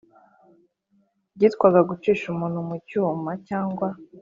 byitwaga gucisha umuntu mu cyuma cyangwa